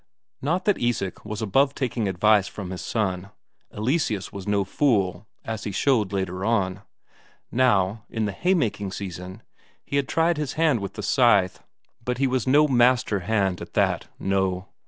Not that Isak was above taking advice from his son; Eleseus was no fool, as he showed later on. Now, in the haymaking season, he had tried his hand with the scythe but he was no master hand at that, no.